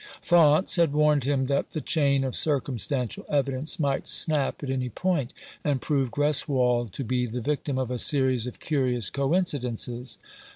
Faunce had warned him that the chain of cir cumstantial evidence might snap at any point, and 295 Rough Justice. prove Greswold to be the victim of a series of curious coincidences.